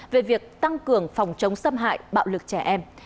về việc tăng cường phòng chống xâm hại bạo lực trẻ em